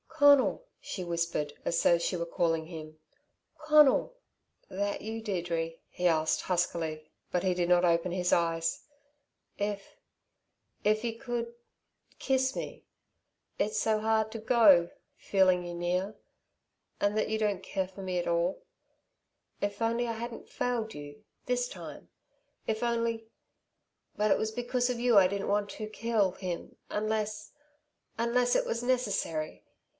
"Conal," she whispered as though she were calling him, "Conal!" "That you, Deirdre?" he asked huskily, but he did not open his eyes. "If if you could kiss me it's so hard to go feeling you near and that you don't care for me at all. If only I hadn't failed you this time! If only But it was because of you I didn't want to kill him unless unless it was necessary.